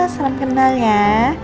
salam kenal ya